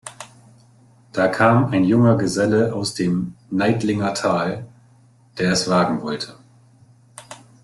Da kam ein junger Geselle aus dem Neidlinger Tal, der es wagen wollte.